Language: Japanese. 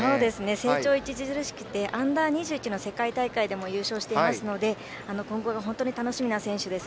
成長著しくてＵ−２１の世界大会でも優勝していますので今後が本当に楽しみな選手です。